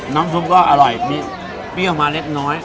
น้ำซุปก็อร่อยมีเปรี้ยวมาเล็กน้อย